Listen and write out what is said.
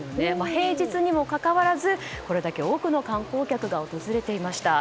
平日にもかかわらずこれだけ多くの観光客が訪れていました。